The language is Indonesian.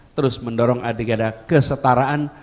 terus mendorong adeganda kesetaraan